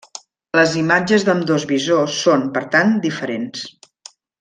Les imatges d'ambdós visors són, per tant, diferents.